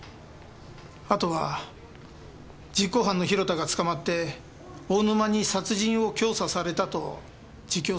あとは実行犯の広田が捕まって大沼に殺人を教唆されたと自供するのを待つだけです。